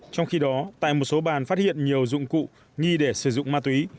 trong khi đó tại một số bàn phát hiện nhiều dụng cụ nghi để sử dụng ma túy